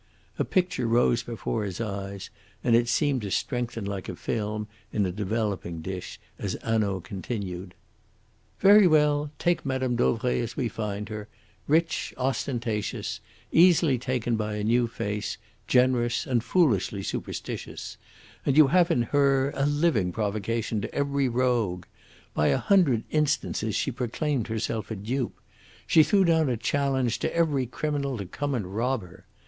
A picture rose before his eyes, and it seemed to strengthen like a film in a developing dish as Hanaud continued: "Very well! take Mme. Dauvray as we find her rich, ostentatious, easily taken by a new face, generous, and foolishly superstitious and you have in her a living provocation to every rogue. By a hundred instances she proclaimed herself a dupe. She threw down a challenge to every criminal to come and rob her.